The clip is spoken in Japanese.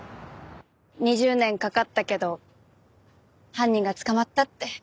２０年かかったけど犯人が捕まったって。